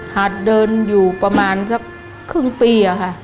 หาดเดินอยู่ประมาณสักครึ่งปีอะค่ะ